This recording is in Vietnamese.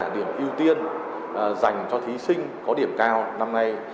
điểm ưu tiên dành cho thí sinh có điểm cao năm nay